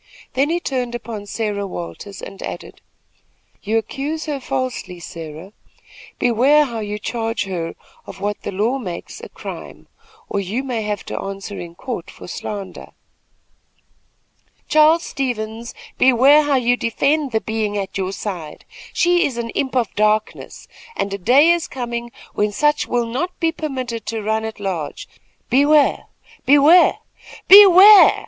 Then he turned upon Sarah Williams, and added: "You accuse her falsely, Sarah. Beware how you charge her of what the law makes a crime, or you may have to answer in a court for slander." "Charles Stevens, beware how you defend the being at your side. She is an imp of darkness, and a day is coming when such will not be permitted to run at large. Beware! beware! BEWARE!"